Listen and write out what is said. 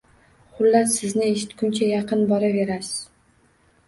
Xullas, sizni eshitguncha yaqin boraverasiz